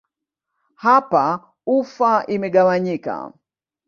Hapa ufa imegawanyika.